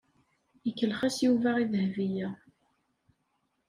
Ikellex-as Yuba i Dahbiya.